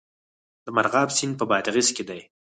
د مرغاب سیند په بادغیس کې دی